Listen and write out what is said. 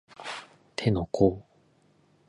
手の甲